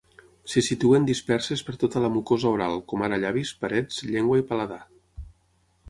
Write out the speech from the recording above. Se situen disperses per tota la mucosa oral, com ara llavis, parets, llengua i paladar.